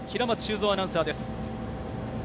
実況・平松修造アナウンサーです。